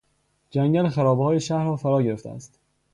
جنگل خرابههای شهر را فراگرفته است.